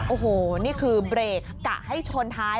โอ้โหนี่คือเบรกกะให้ชนท้าย